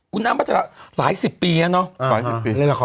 คุณอ้ำว่าจะหลายสิบปีแล้วเนอะ